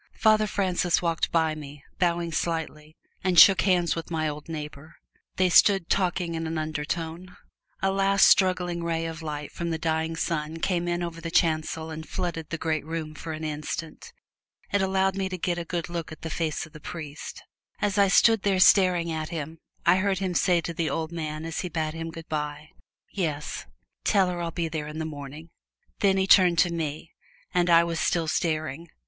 Father Francis walked by me, bowing slightly, and shook hands with my old neighbor. They stood talking in an undertone. A last struggling ray of light from the dying sun came in over the chancel and flooded the great room for an instant. It allowed me to get a good look at the face of the priest. As I stood there staring at him I heard him say to the old man as he bade him good by, "Yes, tell her I'll be there in the morning." Then he turned to me, and I was still staring.